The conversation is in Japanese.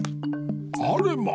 あれま。